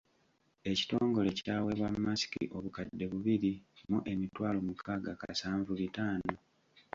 Ekitongole kyaweebwa masiki obukadde bubiri mu emitwalo mukaaga kasanvu bitaano.